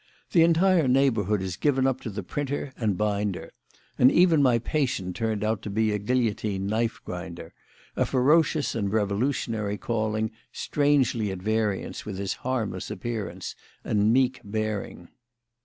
The entire neighbourhood is given up to the printer and binder; and even my patient turned out to be a guillotine knife grinder a ferocious and revolutionary calling strangely at variance with his harmless appearance and meek bearing.